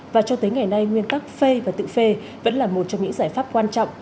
và cho tới ngày nay nguyên tắc phê và tự phê vẫn là một trong những giải pháp quan trọng